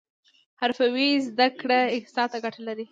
حرفوي زده کړې اقتصاد ته ګټه لري